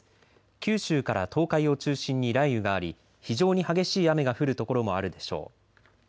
九州から東海を中心に雷雨があり非常に激しい雨が降るところもあるでしょう。